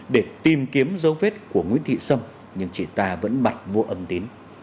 để tìm kiếm dấu vết của nguyễn thị sâm nhưng chỉ tà vẫn mặt vô âm tín